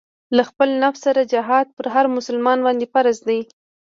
له خپل نفس سره جهاد پر هر مسلمان باندې فرض دی.